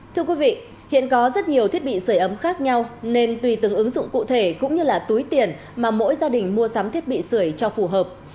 thưa quý vị hiện có rất nhiều thiết bị sửa ấm khác nhau nên tùy từng ứng dụng cụ thể cũng như là túi tiền mà mỗi gia đình mua sắm thiết bị sửa cho phù hợp